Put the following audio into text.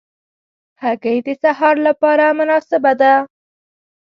هګۍ د سهار له پاره مناسبه ده.